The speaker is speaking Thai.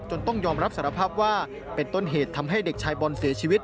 ต้องยอมรับสารภาพว่าเป็นต้นเหตุทำให้เด็กชายบอลเสียชีวิต